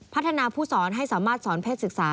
พัฒนาผู้สอนให้สามารถสอนเพศศึกษา